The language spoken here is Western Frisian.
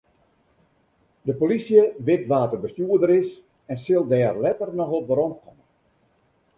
De polysje wit wa't de bestjoerder is en sil dêr letter noch op weromkomme.